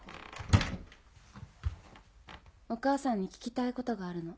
お母さんに聞きたいことがあるの。